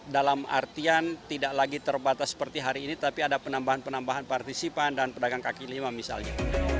dalam artian tidak lagi terbatas seperti hari ini tapi ada penambahan penambahan partisipan dan pedagang kaki lima misalnya